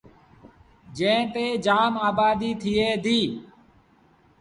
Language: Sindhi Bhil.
جݩهݩ تي جآم آبآديٚ ٿئي ديٚ۔